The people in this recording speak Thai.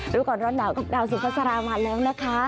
รู้ก่อนร้อนดาวน์ดาวน์สุขศรามาแล้วนะคะ